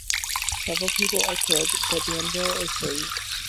Several people are killed, but Danville is saved.